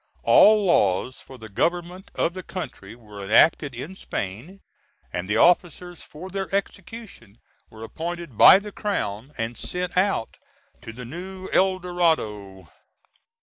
All laws for the government of the country were enacted in Spain, and the officers for their execution were appointed by the Crown, and sent out to the New El Dorado.